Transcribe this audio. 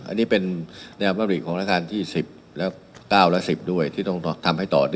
อันนี้เป็นแนววัตถุภาษาของธนาคารที่๙และ๑๐ด้วยที่ต้องทำให้ต่อด้วย